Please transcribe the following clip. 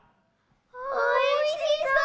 おいしそう。